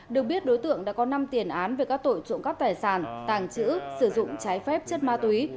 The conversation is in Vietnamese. được biết đối tượng đã có năm tiền án về các tội trộm cắp tài sản tàng trữ sử dụng trái phép chất ma túy